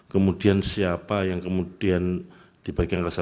kemudian siapa yang kemudian dibagi angka satu